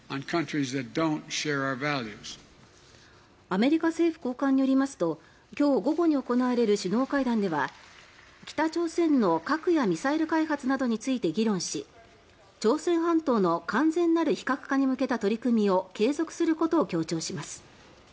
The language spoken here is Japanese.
アメリカ政府高官によりますと今日午後に行われる首脳会談では北朝鮮の核やミサイル開発などについて議論し朝鮮半島の完全なる非核化に向けた取り組みを継続することを強調します。